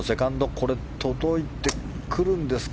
これ、届いてくるんですか？